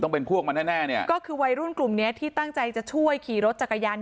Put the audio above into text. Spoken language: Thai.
เป็นพวกมันแน่แน่เนี่ยก็คือวัยรุ่นกลุ่มเนี้ยที่ตั้งใจจะช่วยขี่รถจักรยาน